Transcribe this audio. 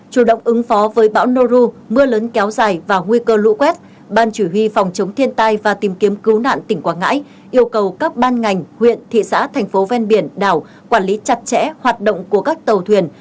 chủ động ứng phó với bão noru mưa lớn kéo dài và nguy cơ lũ quét ban chủ huy phòng chống thiên tai và tìm kiếm cứu nạn tỉnh quảng ngãi yêu cầu các ban ngành huyện thị xã thành phố ven biển đảo quản lý chặt chẽ hoạt động của các tàu thuyền